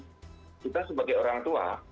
kita sebagai orang tua